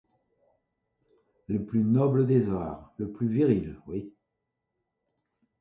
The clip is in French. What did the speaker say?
Le plus noble des arts, le plus viril, oui!